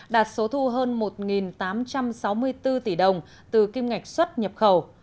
đạt số thu hơn một tám trăm sáu mươi bốn tỷ đồng từ kim ngạch xuất nhập khẩu